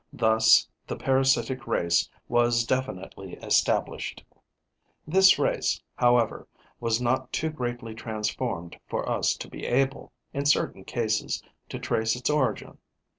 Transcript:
Thus the parasitic race was definitely established. This race, however, was not too greatly transformed for us to be able, in certain cases, to trace its origin.